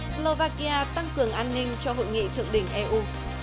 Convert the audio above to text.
slovakia tăng cường an ninh cho hội nghị thượng đỉnh eu